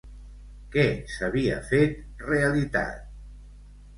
Què s'havia fet realitat?